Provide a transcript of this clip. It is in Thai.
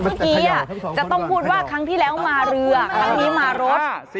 เมื่อกี้จะต้องพูดว่าครั้งที่แล้วมาเรือครั้งนี้มารถ